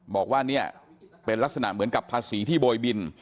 บอกว่าเนี่ยเป็นลักษณะเหมือนกับภาษีที่โบยบิน